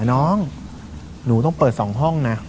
น้องหนูต้องเปิด๒ห้องนะ